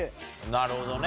なるほどね。